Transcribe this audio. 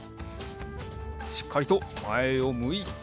しっかりとまえをむいて。